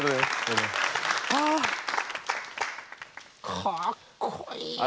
かっこいいな。